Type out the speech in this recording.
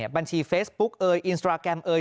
บัญชีเฟซบุ๊กเอยอินสตราแกรมเอย